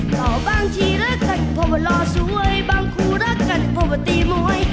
หล่อบางทีรักกันเพราะว่าหล่อสวยบางคู่รักกันเพราะว่าตีมวย